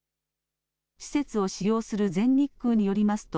施設を使用する全日空によりますと